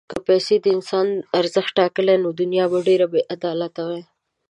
که پیسې د انسان ارزښت ټاکلی، نو دنیا به ډېره بېعدالته وای.